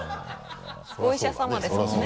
お医者さまですもんね。